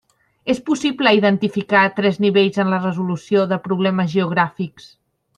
És possible identificar tres nivells en la resolució de problemes geogràfics.